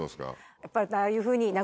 やっぱああいうふうに。